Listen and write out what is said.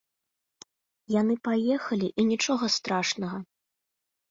Яны паехалі, і нічога страшнага.